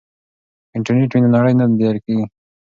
که انټرنیټ وي نو نړۍ نه لیرې کیږي.